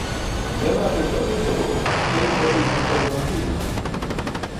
Для нашых тады ўсё добра, калі з фабрычных комінаў дым ідзе.